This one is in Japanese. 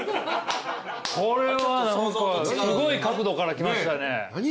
これは何かすごい角度からきましたね。